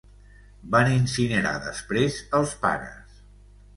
Van incinerar després els pares.